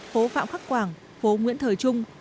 phố phạm khắc quảng phố nguyễn thời trung